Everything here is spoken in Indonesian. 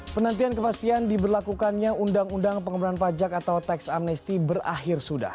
penantian kepastian diberlakukannya undang undang pengembangan pajak atau tax amnesti berakhir sudah